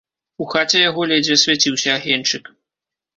У хаце яго ледзьве свяціўся агеньчык.